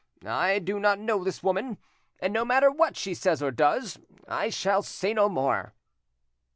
I do not know this woman, and no matter what she says or does, I shall say no more."